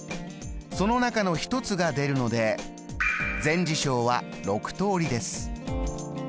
その中の一つが出るので全事象は６通りです。